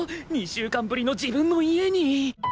２週間ぶりの自分の家に！